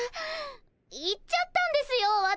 言っちゃったんですよ私。